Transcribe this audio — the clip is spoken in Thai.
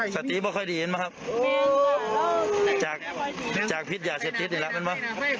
สติบ้าค่อยดีเห็นปะครับจากจากพิษหย่าเสพติศอีกแล้วแม่นปะ